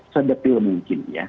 sedetil mungkin ya